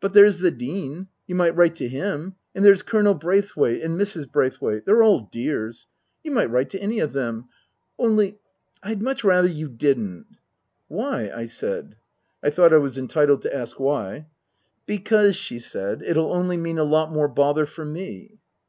But there's the Dean. You might write to him! And there's Colonel Braithwaite and Mrs. Braithwaite. They're all dears. You might write to any of them. Only I'd much rather you didn't." " Why ?" I said. I thought I was entitled to ask why. " Because," she said, " it'll only mean a lot more bother for me."